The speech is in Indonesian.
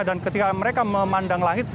dan ketika mereka memandang langit